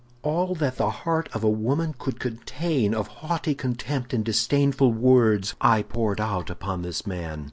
"All that the heart of a woman could contain of haughty contempt and disdainful words, I poured out upon this man.